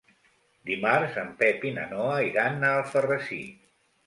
Dimarts en Pep i na Noa iran a Alfarrasí.